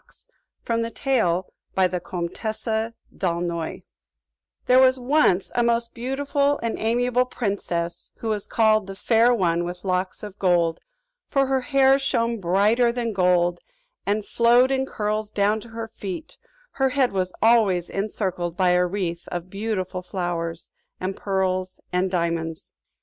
CHAPTER XI THE FAIR ONE WITH THE GOLDEN LOCKS There was once a most beautiful and amiable princess who was called "The Fair One with Locks of Gold," for her hair shone brighter than gold, and flowed in curls down to her feet, her head was always encircled by a wreath of beautiful flowers, and pearls and diamonds.